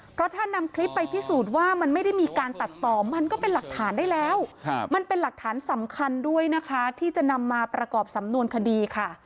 เพราะถ้านำคลิปไปพิสูจน์ว่ามันไม่ได้มีการตัดต่อมันก็เป็นหลักฐานได้แล้วมันเป็นหลักฐานสำคัญด้วยนะคะที่จะนำมาประกอบสำนวนคดีค่ะ